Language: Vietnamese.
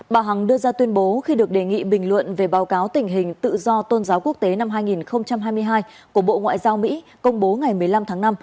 bà hằng đưa ra tuyên bố khi được đề nghị bình luận về báo cáo tình hình tự do tôn giáo quốc tế năm hai nghìn hai mươi hai của bộ ngoại giao mỹ công bố ngày một mươi năm tháng năm